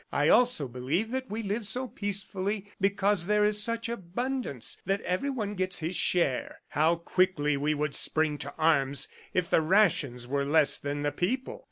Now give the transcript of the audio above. But I also believe that we live so peacefully because there is such abundance that everyone gets his share. ... How quickly we would spring to arms if the rations were less than the people!"